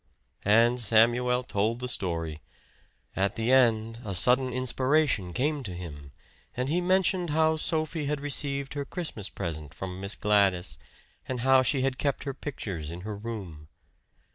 And Samuel told the story. At the end a sudden inspiration came to him, and he mentioned how Sophie had received her Christmas present from Miss Gladys, and how she had kept her pictures in her room.